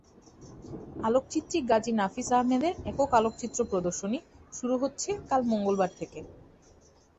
আলোকচিত্রী গাজী নাফিস আহমেদের একক আলোকচিত্র প্রদর্শনী শুরু হচ্ছে কাল মঙ্গলবার থেকে।